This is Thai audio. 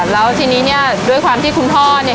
แล้วทีนี้เนี่ยด้วยความที่คุณพ่อเนี่ย